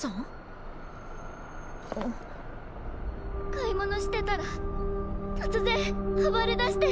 買い物してたら突然暴れだして。